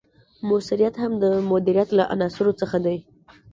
مؤثریت هم د مدیریت له عناصرو څخه دی.